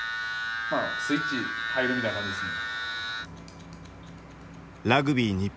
スイッチ入るみたいな感じですね。